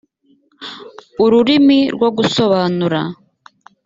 ururimi rwo gusobanura